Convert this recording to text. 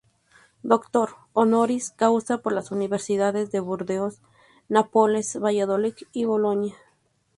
Doctor "honoris causa" por las universidades de Burdeos, Nápoles, Valladolid y Bolonia.